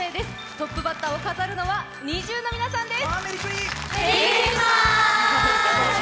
トップバッターを飾るのはＮｉｚｉＵの皆さんです。